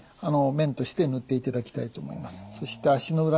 面として塗っていただきたいと思います。